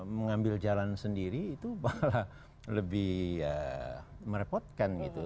mengambil jalan sendiri itu bakal lebih merepotkan gitu